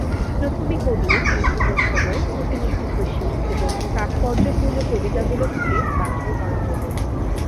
প্রথমে কবির বিভিন্ন সময়ের প্রতিনিধিত্বশীল এবং তাৎপর্যপূর্ণ কবিতাগুলো থেকে বাছাই করা হলো।